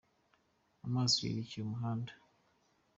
Amaso yerekeye umuhanda.